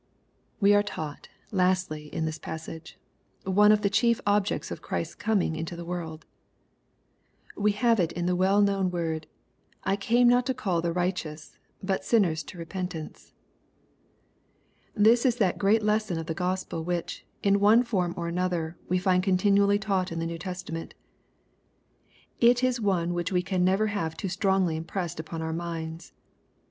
We are taught, lastly, in this passage, ow6 of the chief olyecis of Chrisfs coming into the world. We have it in the well known world, " I came not to call the righteous, but sinners to repentance." This is that great lesson of the Gospel which, in one form or another, we find continually taught in the New Testament. It is one which we can never have too strongly impressed upon our minds.